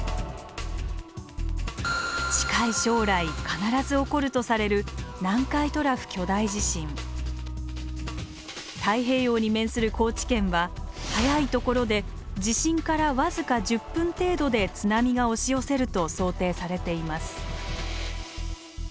近い将来必ず起こるとされる太平洋に面する高知県は早いところで地震から僅か１０分程度で津波が押し寄せると想定されています。